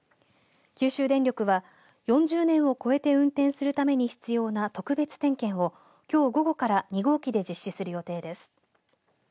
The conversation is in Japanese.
九州電力は、４０年を超えて運転するために必要な特別点検をきょう午後から２号機で実施する予定です。